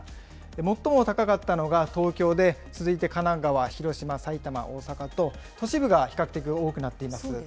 最も高かったのが東京で、続いて神奈川、広島、埼玉、大阪と、都市部が比較的多くなっています。